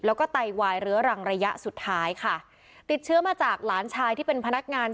แล้วก็ไตวายเรื้อรังระยะสุดท้ายค่ะติดเชื้อมาจากหลานชายที่เป็นพนักงาน